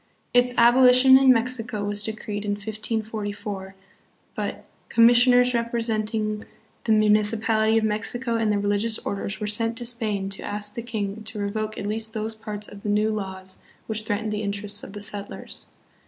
Its abolition in Mexico was decreed in 1544, but " commis sioners representing the municipality of Mexico and the religious orders were sent to Spain to ask the king to re voke at least those parts of the 'New Laws' which threatened the interests of the settlers.